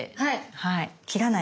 はい。